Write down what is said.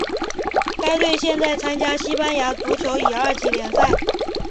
该队现在参加西班牙足球乙二级联赛。